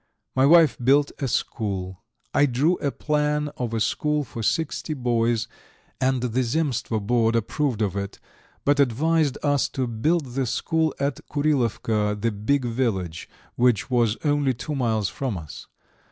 My wife built a school. I drew a plan of a school for sixty boys, and the Zemstvo Board approved of it, but advised us to build the school at Kurilovka the big village which was only two miles from us.